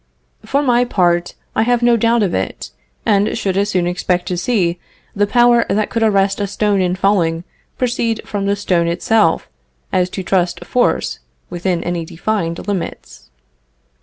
For my part I have no doubt of it, and should as soon expect to see the power that could arrest a stone in falling proceed from the stone itself, as to trust force within any defined limits.